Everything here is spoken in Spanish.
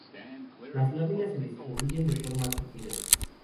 Las láminas se distribuyen de forma tupida.